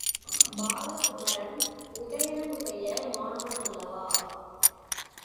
Balakumaran, உதயணனுடைய மாணவனல்லவா?